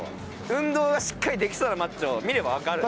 運動がしっかりできそうなマッチョ見ればわかるんで。